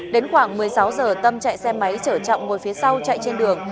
đến khoảng một mươi sáu giờ tâm chạy xe máy chở trọng ngồi phía sau chạy trên đường